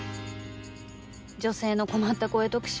「女性の困った声特集」